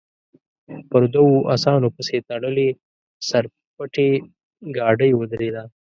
پر دوو اسانو پسې تړلې سر پټې ګاډۍ ودرېده.